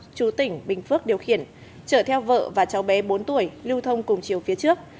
chú tỉnh bình phước điều khiển chở theo vợ và cháu bé bốn tuổi lưu thông cùng chiều phía trước